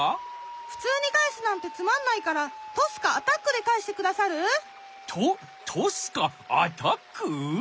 ふつうにかえすなんてつまんないからトスかアタックでかえしてくださる？とトスかアタック？